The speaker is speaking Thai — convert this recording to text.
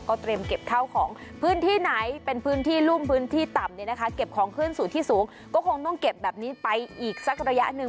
เตรียมเก็บข้าวของพื้นที่ไหนเป็นพื้นที่รุ่มพื้นที่ต่ำเนี่ยนะคะเก็บของขึ้นสู่ที่สูงก็คงต้องเก็บแบบนี้ไปอีกสักระยะหนึ่ง